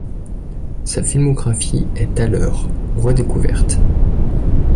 Sa filmographie est alors redécouverte.